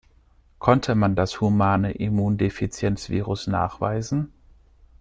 Konnte man das Humane Immundefizienz-Virus nachweisen?